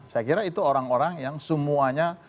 saya kira itu orang orang yang semuanya